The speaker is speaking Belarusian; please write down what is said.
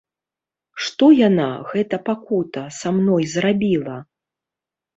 Што яна, гэта пакута, са мной зрабіла?!